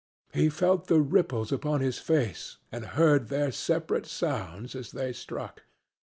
He felt the ripples upon his face and heard their separate sounds as they struck.